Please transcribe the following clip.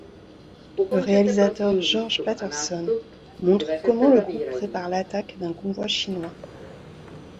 Le réalisateur George Patterson montre comment le groupe prépare l'attaque d'un convoi chinois.